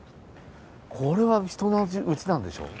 これは人のうちなんでしょ。